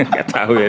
gak tahu ya saya